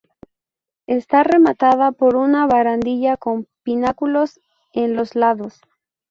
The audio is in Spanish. Está rematada por una barandilla con pináculos en los lados.